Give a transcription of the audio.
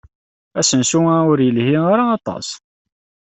Asensu-a ur yelhi ara aṭas.